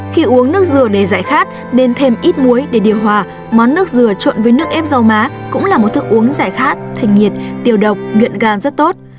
khi uống nước dừa để giải khát nên thêm ít muối để điều hòa món nước dừa trộn với nước ép rau má cũng là một thức uống giải khát thành nhiệt tiêu độc luyện gan rất tốt